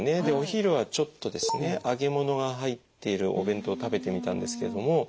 でお昼はちょっとですね揚げ物が入っているお弁当を食べてみたんですけれども。